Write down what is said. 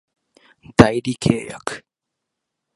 代理契約